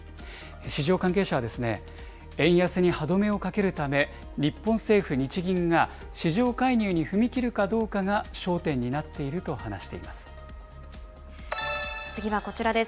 市場関係者は円安に歯止めをかけるため、日本政府・日銀が、市場介入に踏み切るかどうかが焦点に次はこちらです。